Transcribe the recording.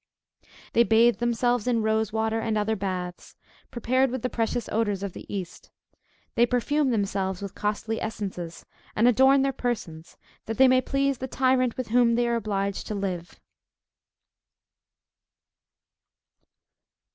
They bathe themselves in rose water and other baths, prepared with the precious odors of the East. They perfume themselves with costly essences, and adorn their persons, that they may please the tyrant with whom they are obliged to live.